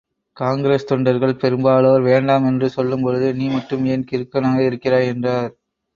காங்கிரஸ் தொண்டர்கள் பெரும்பாலோர் வேண்டாம் என்று சொல்லும்போது நீ மட்டும் ஏன் கிறுக்கனாக இருக்கிறாய் என்றார்.